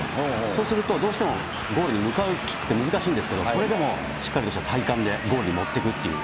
そうすると、どうしてもゴールに向かうキックって難しいんですけど、それでもしっかりとした体幹でゴールに持っていくという。